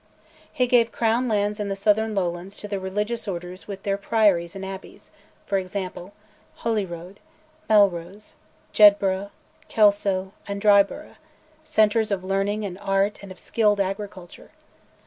He gave Crown lands in the southern lowlands to the religious orders with their priories and abbeys; for example, Holyrood, Melrose, Jedburgh, Kelso, and Dryburgh centres of learning and art and of skilled agriculture.